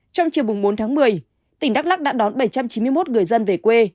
trong chiều bốn tháng một mươi tỉnh đắk lắc đã đón bảy trăm chín mươi một người dân về quê